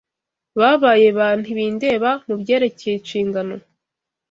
babaye ba ntibindeba mu byerekeye inshingano